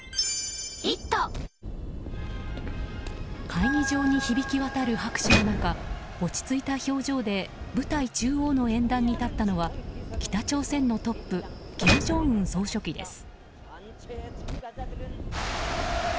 会議場に響き渡る拍手の中落ち着いた表情で舞台中央の演壇に立ったのは北朝鮮のトップ金正恩総書記です。